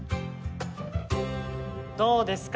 どうですか？